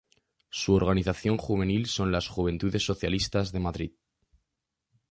Su organización juvenil son las Juventudes Socialistas de Madrid.